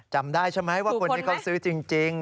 จำได้ใช่ไหมว่าคนนี้เขาซื้อจริง